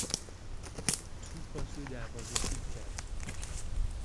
توپ را توی دروازه شوت کرد.